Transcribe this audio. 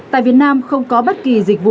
tại việt nam không có bất kỳ dịch vụ